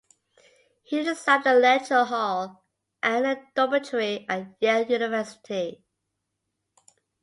He designed a lecture hall and a dormitory at Yale University.